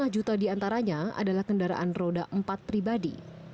lima juta diantaranya adalah kendaraan roda empat pribadi